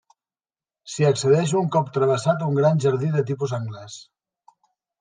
S'hi accedeix un cop travessat un gran jardí de tipus anglès.